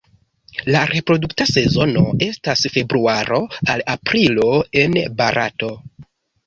La reprodukta sezono estas februaro al aprilo en Barato.